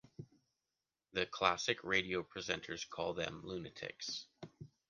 The classic radio presenters call them lunatics.